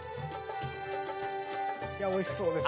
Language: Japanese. おいしそうですね。